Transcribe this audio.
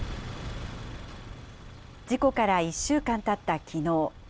事故から１週間たったきのう。